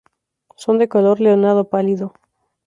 Son de color leonado pálido.